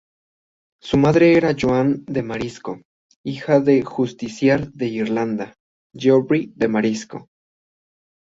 Su madre era Joan de Marisco, hija del Justiciar de Irlanda, Geoffrey de Marisco.